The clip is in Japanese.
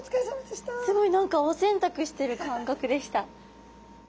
すごい何かお洗濯してる感覚でした。